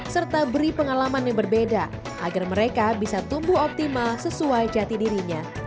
serta beri pengalaman yang berbeda agar mereka bisa tumbuh optimal sesuai jati dirinya